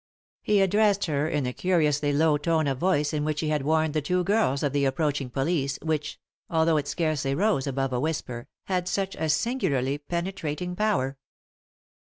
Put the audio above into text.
He addressed her in the curiously low tone of voice in which he had warned the two girls of the approaching police, which, although it scarcely rose above a whisper, had such a singularly penetrating power.